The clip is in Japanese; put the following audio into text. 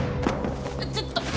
ちょっと。